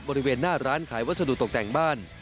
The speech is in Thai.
บริเวณหน้าร้านขายวัสดุตกแต่งบ้าน